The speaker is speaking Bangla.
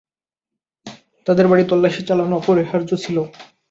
তাদের বাড়িতে তল্লাশি চালানো অপরিহার্য ছিল।